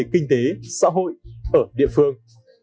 kinh tế xã hội ở địa phương